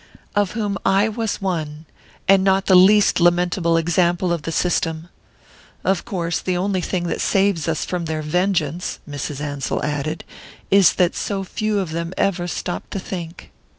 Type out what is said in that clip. "Of whom I was one and not the least lamentable example of the system! Of course the only thing that saves us from their vengeance," Mrs. Ansell added, "is that so few of them ever stop to think...."